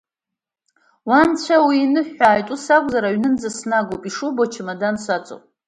Уа Анцәа уиныҳәааит, ус акәзар, аҩнынӡа сноугап, ишубо, ачамадан саҵоуп!